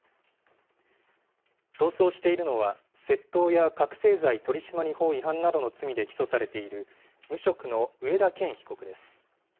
逃走しているのは、窃盗や覚醒剤取締法違反などの罪で起訴されている、無職の上田健被告です。